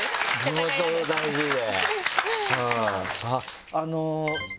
地元大事で。